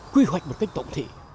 quy hoạch một cách tổng thể